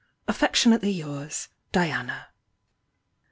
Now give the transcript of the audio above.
"Affectionately yours, "Diana."